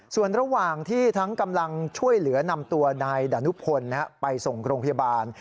ส่วนระหว่างที่ทั้งกำลังช่วยเหลือนำตัวนายดานุพลไปส่งโรงพยาบาล